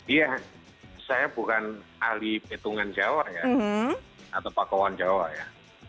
iya saya bukan ahli petungan jawa ya atau pakawan jawa ya